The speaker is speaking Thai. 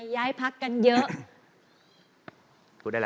ย้ายพักกันเยอะ